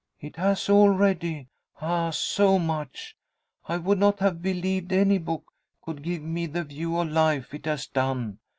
"It has already. Ah! so much! I would not have believed any book could give me the view of life it has done.